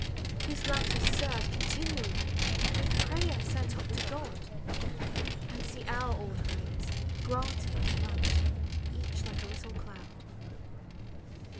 Whose lamps are stirred continually With prayer sent up to G And kit old prayers, granted, melt Each like a little cloud.